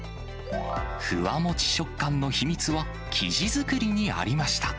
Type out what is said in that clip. ふわもち食感の秘密は、生地作りにありました。